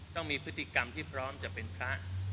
ต้องมีพฤติกรรมที่พร้อมจะเป็นพระ